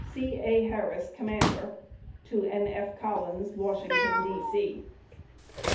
C. A. HARRIS, Comm'r. N. F. COLLINS, Washington, D. C."